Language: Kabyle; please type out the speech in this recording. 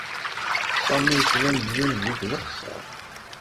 Sami yettban-d d ungif d axeṣṣar.